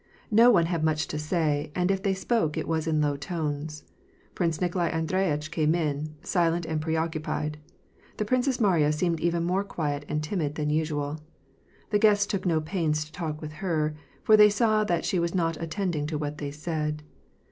No one had much to say, and if they spoke it was in low tones. Prince Nikolai Andreyitch came in, silent and pre occupied. The Princess Mariya seemed even more quiet and timid than usual. The guests took no pains to talk with her, for they saw that she was not attending to what they said.